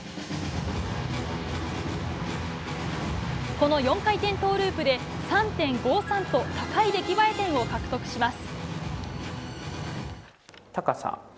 この４回転トウループで３．５３と高い出来栄え点を獲得します。